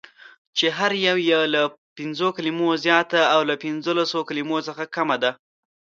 چې هره یوه یې له پنځو کلمو زیاته او له پنځلسو کلمو کمه ده: